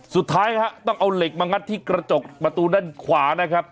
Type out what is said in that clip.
สุดท้ายฮะต้องเอาเหล็กมางัดที่กระจกประตูด้านขวานะครับ